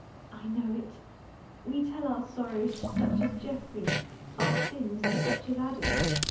"I know it; we tell our sorrows to such as Geoffrey, our sins to such as Adam.